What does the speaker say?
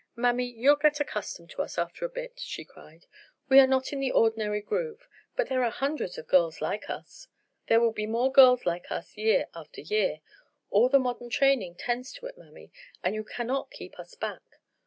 "Mammy, you'll get accustomed to us after a bit," she cried. "We are not in the ordinary groove; but there are hundreds of girls like us. There will be more girls like us year after year; all the modern training tends to it, mammy, and you cannot keep us back.